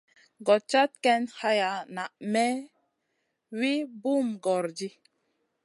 Gòd cad ken haya na may wi bum gòoro ɗi.